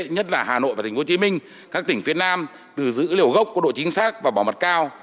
nhất là hà nội và tp hcm các tỉnh phía nam từ dữ liệu gốc có độ chính xác và bảo mật cao